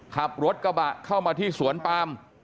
ขับรถกระบะเข้ามาที่สวนปาม